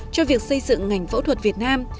cho việc xây dựng ngành phẫu thuật việt nam